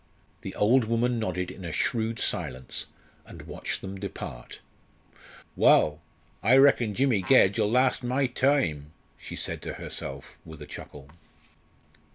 The old woman nodded in a shrewd silence, and watched them depart. "Wull, I reckon Jimmy Gedge ull lasst my time," she said to herself with a chuckle.